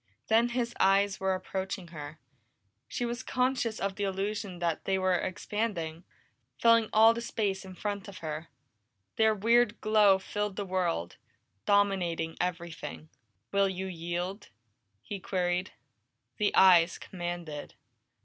Then his eyes were approaching her; she was conscious of the illusion that they were expanding, filling all the space in front of her. Their weird glow filled the world, dominated everything. "Will you yield?" he queried. The eyes commanded.